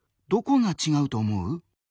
どこがちがうと思う？